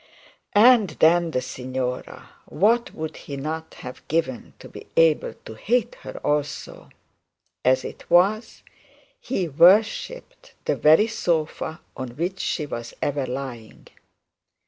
And then the signora; what would he not have given to be able to hate her also? As it was, he worshipped the very sofa on which she was ever lying.